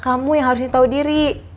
kamu yang harusnya tahu diri